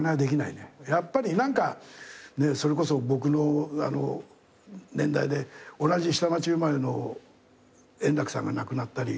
やっぱり何かそれこそ僕の年代で同じ下町生まれの円楽さんが亡くなったり。